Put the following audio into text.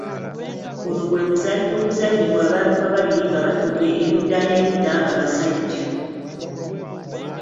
Guno gwe muzannyo oguzannyibwa abantu ababiri nga batudde erudda n’erudda nga basajja.